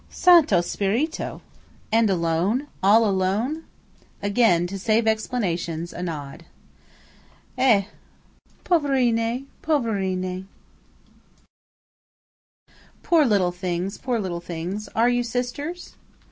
"Santo Spirito! And alone?–all alone?" Again, to save explanations, a nod. "Eh! poverine! poverine;' (poor little things! poor little things!) Are you sisters?"